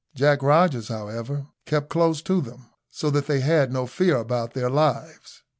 Jack Rogers, however, kept close to them, so that they had no fear about their lives.